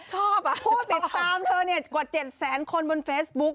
ชอบอ่ะพูดติดตามเธอเนี่ยกว่าเจ็ดแสนคนบนเฟซบุ๊ก